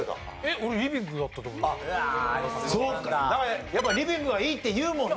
だからやっぱりリビングはいいっていうもんな。